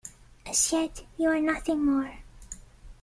As yet, you are nothing more.